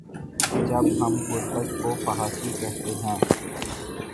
جب ہم غربت کو فحاشی کہتے ہیں۔